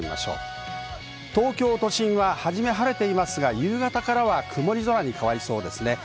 東京都心ははじめは晴れていますが、夕方からは曇り空に変わりそうです。